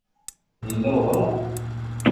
Yella weɣrum?